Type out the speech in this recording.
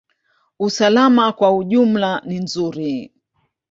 Usalama kwa ujumla ni nzuri.